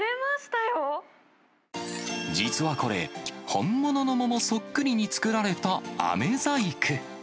実はこれ、本物の桃そっくりに作られたあめ細工。